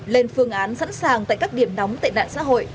lên phương án sẵn sàng tại các điểm nóng tệ nạn xã hội